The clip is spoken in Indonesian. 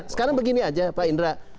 sekarang begini aja pak indra